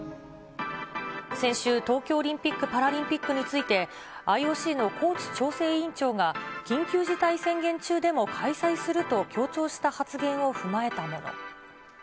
先週、東京オリンピック・パラリンピックについて、ＩＯＣのコーツ調整委員長が緊急事態宣言中でも開催すると強調した発言を踏まえたもの。